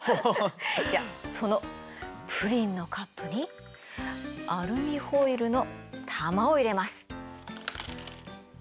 じゃそのプリンのカップにアルミホイルの玉を入れます。